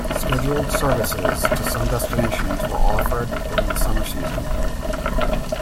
Scheduled services to some destinations were offered during the summer season.